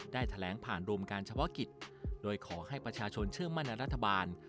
แถลงผ่านรวมการเฉพาะกิจโดยขอให้ประชาชนเชื่อมั่นในรัฐบาล